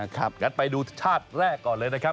งั้นไปดูชาติแรกก่อนเลยนะครับ